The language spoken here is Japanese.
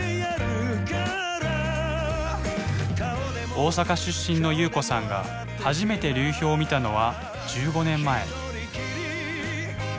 大阪出身の夕子さんが初めて流氷を見たのは１５年前。